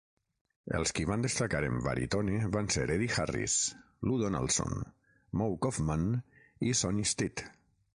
Els qui van destacar en Varitone van ser Eddie Harris, Lou Donaldson, Moe Koffman i Sonny Stitt.